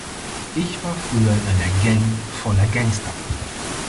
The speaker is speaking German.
Ich war früher in einer Gang voller Gangster.